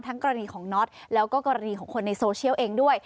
กรณีของน็อตแล้วก็กรณีของคนในโซเชียลเองด้วย